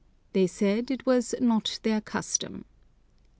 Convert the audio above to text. They said it was "not their custom."